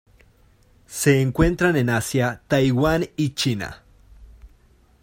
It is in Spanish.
Se encuentran en Asia: Taiwán y China.